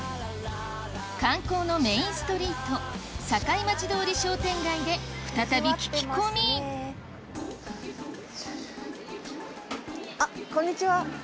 観光のメインストリートで再び聞き込みあっこんにちは。